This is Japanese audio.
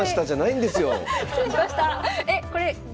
失礼しました！